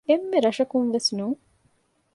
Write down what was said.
އެންމެ ރަށަކުން ވެސް ނޫން